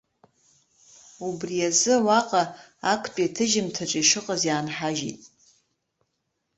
Убри азы уаҟа актәи аҭыжьымҭаҿы ишыҟаз иаанҳажьит.